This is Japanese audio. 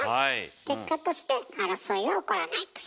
結果として争いは起こらないという。